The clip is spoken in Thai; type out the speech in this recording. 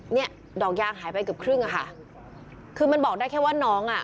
เนี่ยดอกยางหายไปเกือบครึ่งอะค่ะคือมันบอกได้แค่ว่าน้องอ่ะ